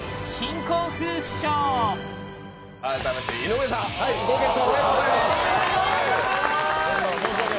改めて井上さんご結婚おめでとうございます